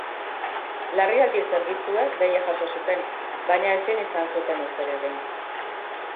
Larrialdi zerbitzuek deia jaso zuten, baina ezin izan zuten ezer egin.